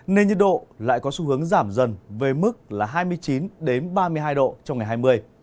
nên nhiệt độ lại có xu hướng giảm dần về mức là hai mươi chín ba mươi hai độ trong ngày hai mươi